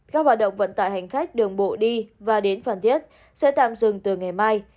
các hoạt động vận tải hành khách đường bộ đi và đến phan thiết sẽ tạm dừng từ ngày mai